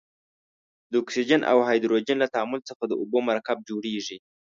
د اکسیجن او هایدروجن له تعامل څخه د اوبو مرکب جوړیږي.